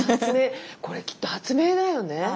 これきっと発明だよね。